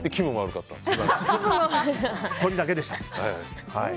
１人だけでした。